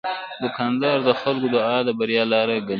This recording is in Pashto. دوکاندار د خلکو دعا د بریا لاره ګڼي.